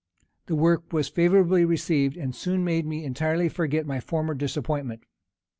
The work was favorably received, and soon made me entirely forget my former disappointment.